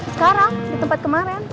sekarang di tempat kemarin